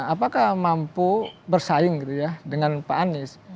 apakah mampu bersaing gitu ya dengan pak anies